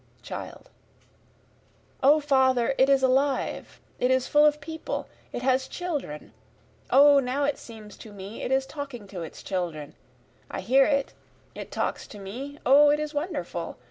Child: O father it is alive it is full of people it has children, O now it seems to me it is talking to its children, I hear it it talks to me O it is wonderful!